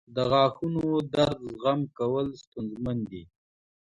• د غاښونو درد زغم کول ستونزمن دي.